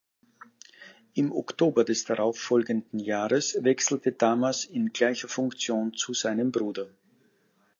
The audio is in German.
Im Oktober des darauffolgenden Jahres wechselte Damas in gleicher Funktion zu seinem Bruder.